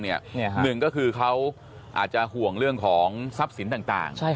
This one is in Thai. หนึ่งก็คือเขาอาจจะห่วงเรื่องของทรัพย์สินต่าง